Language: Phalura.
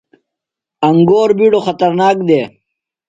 انگور بِیڈو خطرناک دےۡ۔